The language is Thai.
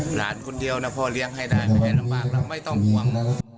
หลานคนเดียวนะพ่อเลี้ยงให้ได้ไม่ต้องห่วง